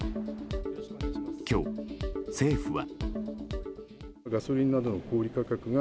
今日、政府は。